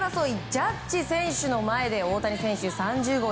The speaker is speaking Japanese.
ジャッジ選手の前で大谷選手、３０号。